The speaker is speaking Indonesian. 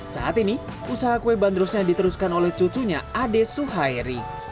saat ini usaha kue bandrosnya diteruskan oleh cucunya ade suhairi